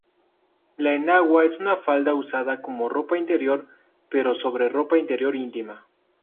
La enagua es una falda usada como ropa interior pero sobre ropa interior íntima.